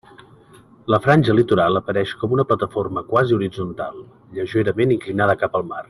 La franja litoral apareix com una plataforma quasi horitzontal, lleugerament inclinada cap al mar.